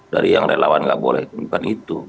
dari yang relawan nggak boleh bukan itu